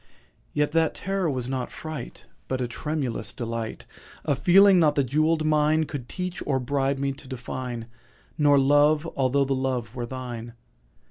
Yet that terror was not fright, But a tremulous delight— A feeling not the jewelled mine Could teach or bribe me to define— Nor Love—although the Love were thine.